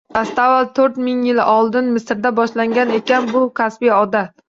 Dastavval to’rt ming yil oldin Misrda boshlangan ekan bu kasbiy odat